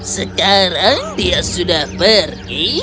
sekarang dia sudah pergi